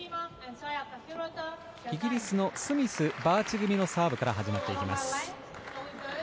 イギリスのスミス、バーチ組のサーブから始まっていきます。